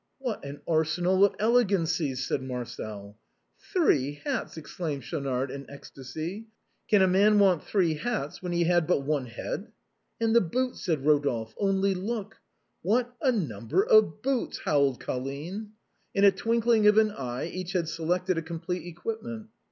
" What an arsenal of elegancies !" said Marcel. " Three hats !" exclaimed Schaunard, in ecstasy ;" can a man want three hats when he has but one head?" "And the boots !" said Rodolphe, " only look !"" What a number of boots !" howled Colline. A BOHEMIAN " AT HOME." 151 In the twinkling of an eye each had selected a complete equipment.